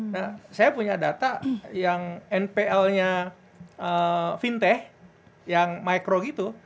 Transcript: nah saya punya data yang npl nya fintech yang micro gitu